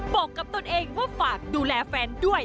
บอกกับตนเองว่าฝากดูแลแฟนด้วย